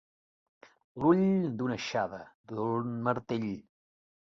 L'ull d'una aixada, d'un martell.